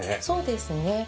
そうですね。